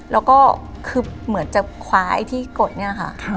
แล้วก็คือเหมือนจะคว้าไอ้ที่กดเนี่ยค่ะ